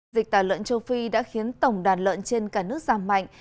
dịch tả lợn châu phi đã khiến tổng đàn lợn trên cả nước giảm mạnh